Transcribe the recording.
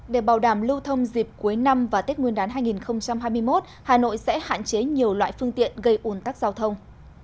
để bảo đảm lưu thông dịp cuối năm và tết nguyên đán hai nghìn hai mươi một hà nội sẽ hạn chế nhiều loại phương tiện gây ủn tắc giao thông